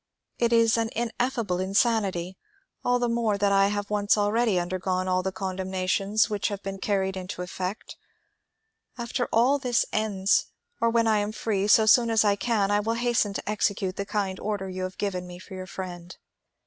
It is an ineffable insanity, all the more that I have once already undergone all the condemnations, which haye been carried into effect After all this ends or when I am free, so soon as I can I will hasten to execute the kind order you have given me for your friend.